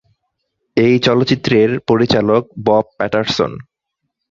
এই চলচ্চিত্রের পরিচালক বব প্যাটারসন।